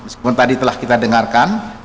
seperti tadi telah kita dengarkan